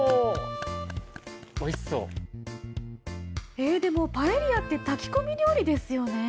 えでもパエリアって炊き込み料理ですよね？